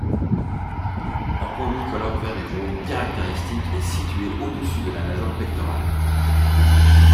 Un point bicolore vert et jaune caractéristique est situé au-dessus de la nageoire pectorale.